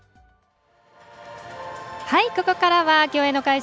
ここからは競泳の会場